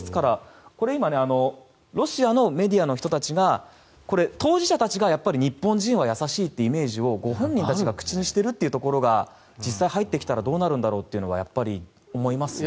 これは今ロシアのメディアの人たちが当事者たちが日本人は優しいというイメージをご本人たちが口にしているというところが実際、入ってきたらどうなるんだろうというのはやっぱり思いますよね。